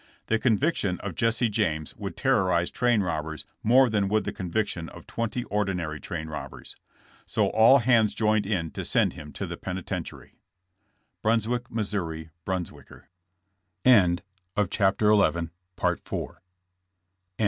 The conviction of Jesse James would terrorize train rob bers more than would the conviction of twenty ordi nary train robbers. So all hands joined in to send him to the penitentiary.'^— Brunswick (Mo.) Bruns wicker. CHAPTER XII. IN CONCLUSION.